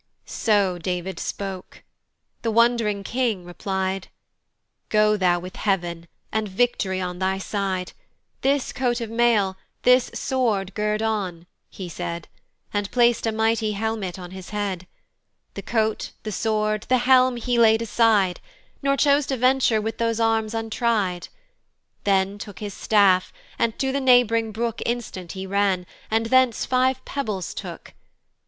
So David spoke. The wond'ring king reply'd; "Go thou with heav'n and victory on thy side: "This coat of mail, this sword gird on," he said, And plac'd a mighty helmet on his head: The coat, the sword, the helm he laid aside, Nor chose to venture with those arms untry'd, Then took his staff, and to the neighb'ring brook Instant he ran, and thence five pebbles took.